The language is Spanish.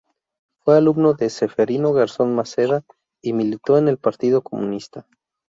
Fue alumno de Ceferino Garzón Maceda y militó en el Partido Comunista.